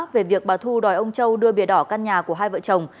về việc bà thu đòi ông châu đưa bìa đỏ căn nhà của hai vợ chồng